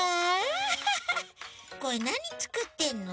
これなにつくってんの？